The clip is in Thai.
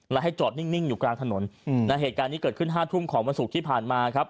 และให้จอดนิ่งอยู่กลางถนนเหตุการณ์นี้เกิดขึ้น๕ทุ่มของวันศุกร์ที่ผ่านมาครับ